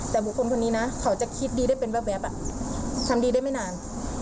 แต่บุคคลคนนี้นะเขาจะคิดดีได้เป็นแวบทำดีได้ไม่นาน